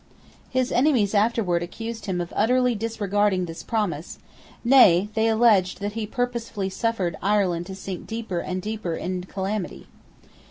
His enemies afterwards accused him of utterly disregarding this promise: nay, they alleged that he purposely suffered Ireland to sink deeper and deeper in calamity.